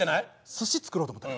すし作ろうと思ったの。